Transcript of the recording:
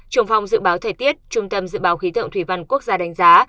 trường phòng dự báo thời tiết trung tâm dự báo khí tượng thủy văn quốc gia đánh giá